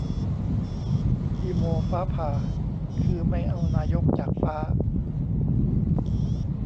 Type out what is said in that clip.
อีโม ฟ้าผ่า คือ ไม่เอานายกจากฟ้า